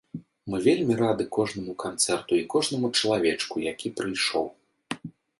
Мы вельмі рады кожнаму канцэрту і кожнаму чалавечку, які прыйшоў.